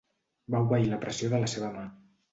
Va obeir la pressió de la seva mà.